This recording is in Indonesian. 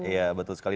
iya betul sekali